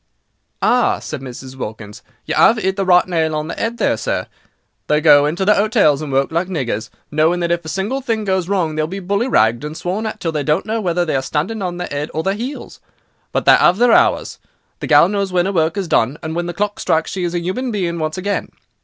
"Ah," said Mrs. Wilkins, "you 'ave 'it the right nail on the 'ead, there, sir. They go into the 'otels and work like niggers, knowing that if a single thing goes wrong they will be bully ragged and sworn at till they don't know whether they are standing on their 'ead or their 'eels. But they 'ave their hours; the gal knows when 'er work is done, and when the clock strikes she is a 'uman being once again.